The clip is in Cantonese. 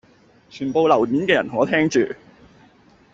全部樓面嘅人同我聽住